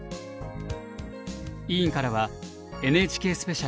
委員からはＮＨＫスペシャル